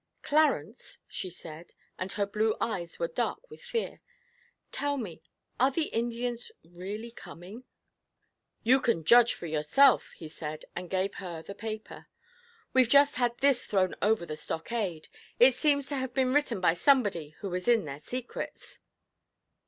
'Clarence,' she said, and her blue eyes were dark with fear, 'tell me are the Indians really coming?' 'You can judge for yourself,' he said, and gave her the paper. 'We've just had this thrown over the stockade. It seems to have been written by somebody who is in their secrets.'